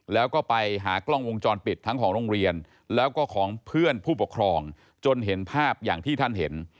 แล้วก็ไปหากล้องวงจรปิดทั้งของโรงเรียนแล้วก็ของเพื่อนผู้ปกครองจนเห็นภาพอย่างที่ท่านเห็น